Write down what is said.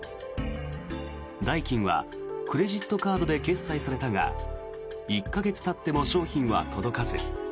代金はクレジットカードで決済されたが１か月たっても商品は届かず。